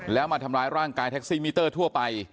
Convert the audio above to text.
แล้วมาทำร้ายร่างกายแท็กซี่มิเตอร์ทั่วไป